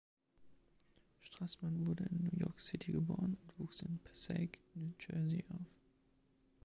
Strassman wurde in New York City geboren und wuchs in Passaic, New Jersey, auf.